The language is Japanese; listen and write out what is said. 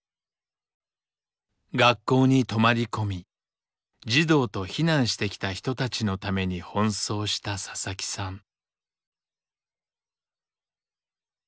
学校に泊まり込み児童と避難してきた人たちのために奔走した佐々木さん。